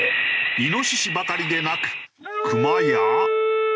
イノシシばかりでなくクマや。